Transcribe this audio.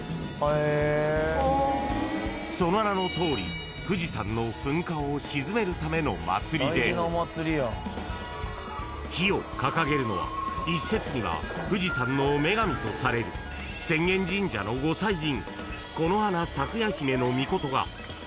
［その名のとおり富士山の噴火を鎮めるための祭りで火を掲げるのは一説には富士山の女神とされる浅間神社の御祭神］